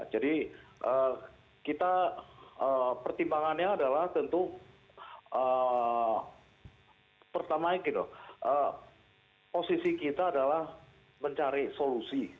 jadi kita pertimbangannya adalah tentu pertama posisi kita adalah mencari solusi